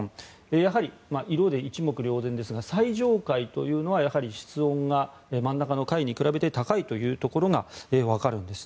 やはり色で一目瞭然ですが最上階というのは室温が真ん中の階に比べて高いというところがわかるんです。